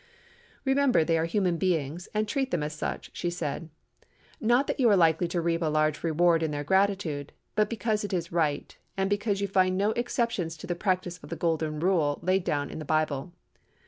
"Remember they are human beings, and treat them as such," she said. "Not that you are likely to reap a large reward in their gratitude, but because it is right, and because you find no exceptions to the practice of the Golden Rule laid down in the Bible.